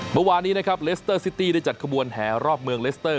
เมื่อวานนี้นะครับเลสเตอร์ซิตี้ได้จัดขบวนแห่รอบเมืองเลสเตอร์